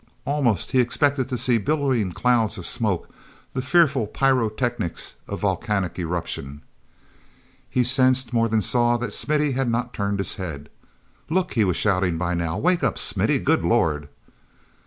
Almost he expected to see billowing clouds of smoke, the fearful pyrotechnics of volcanic eruption. He sensed more than saw that Smithy had not turned his head. "Look!" he was shouting by now. "Wake up, Smithy! Good Lord!"